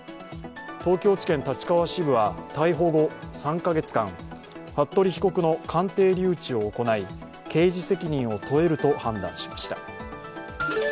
東京地検立川支部は逮捕後３カ月間服部被告の鑑定留置を行い刑事責任を問えると判断しました。